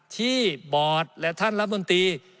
ที่บอร์ดและท่านรัฐมนตรี